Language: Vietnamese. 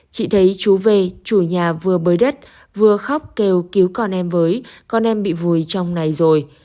chị thấy chú về chủ nhà vừa bới đất vừa khóc kêu cứu con em với con em bị vùi trong này rồi